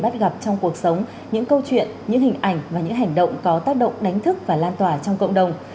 câu chuyện những hình ảnh và những hành động có tác động đánh thức và lan tỏa trong cộng đồng